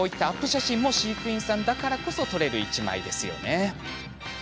写真も飼育員さんだからこそ撮れる１枚ですよね。